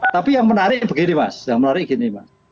tapi yang menarik begini mas yang menarik gini mas